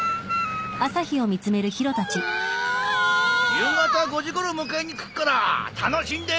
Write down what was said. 夕方５時ごろ迎えにくっから楽しんで！